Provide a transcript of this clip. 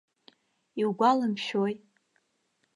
Иугәаламшәои.